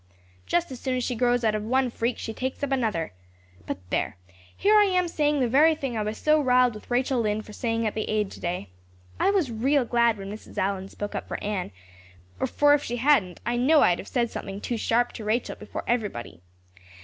Just as soon as she grows out of one freak she takes up with another. But there! Here I am saying the very thing I was so riled with Rachel Lynde for saying at the Aid today. I was real glad when Mrs. Allan spoke up for Anne, for if she hadn't I know I'd have said something too sharp to Rachel before everybody.